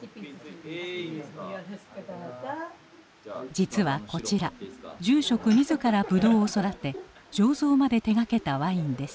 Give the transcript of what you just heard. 実はこちら住職自らブドウを育て醸造まで手がけたワインです。